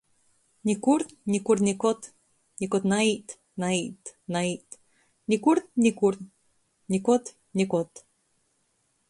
Nikur, nikur nikod, nikod naīt, naīt, naīt. Nikur, nikur. Nikod. Nikod.